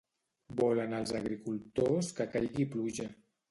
Volen els agricultors que caigui pluja